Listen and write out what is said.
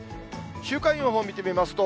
週間予報見てみますと。